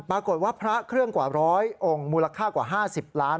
ปรากฏว่าพระเครื่องกว่า๑๐๐องค์มูลค่ากว่า๕๐ล้าน